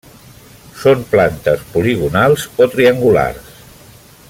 Són plantes poligonals o triangulars.